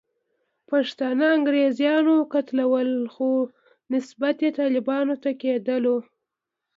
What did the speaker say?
پښتانه انګریزانو قتلول، خو نسبیت یې طالبانو ته کېدلو.